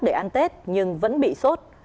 để ăn tết nhưng vẫn bị sốt